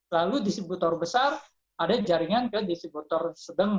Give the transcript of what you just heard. lalu distributor besar ada jaringan ke distributor sedang